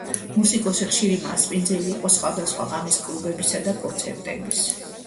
მუსიკოსი ხშირი მასპინძელი იყო სხვადასხვა ღამის კლუბებსა თუ კონცერტებზე.